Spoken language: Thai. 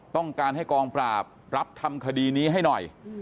ต้องการให้กองปราบรับทำคดีนี้ให้หน่อย